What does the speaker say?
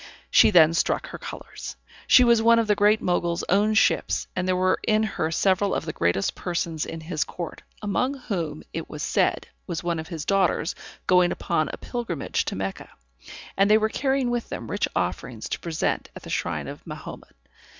She then struck her colors. She was one of the Great Mogul's own ships, and there were in her several of the greatest persons in his court, among whom, it was said, was one of his daughters going upon a pilgrimage to Mecca; and they were carrying with them rich offerings to present at the shrine of Mahomet.